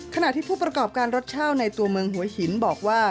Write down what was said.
ขณะที่ผู้ประกอบการรถเช่าในตัวเมืองหัวหินบอกว่า